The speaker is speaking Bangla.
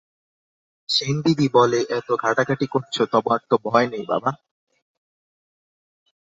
সেনদিদি বলে, এত ঘাটাঘাটি করছ, তোমার তো ভয় নেই বাবা?